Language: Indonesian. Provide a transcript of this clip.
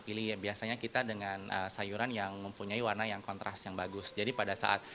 pilih biasanya kita dengan sayuran yang mempunyai warna yang kontras yang bagus jadi pada saat